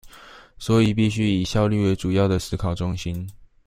所以必須以效率為主要的思考中心